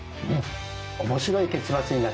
面白い結末になったね。